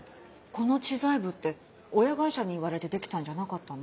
この知財部って親会社に言われてできたんじゃなかったの？